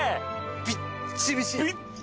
びっちびち。